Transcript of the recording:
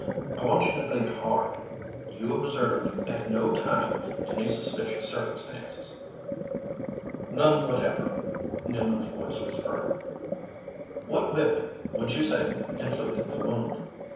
I want you to think hard. You observed, at no time, any suspicious circumstances?" "None whatever." Nealman's voice was firm. "What weapon, would you say, inflicted the wound?"